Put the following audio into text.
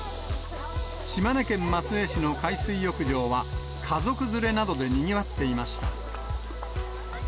島根県松江市の海水浴場は、家族連れなどでにぎわっていました。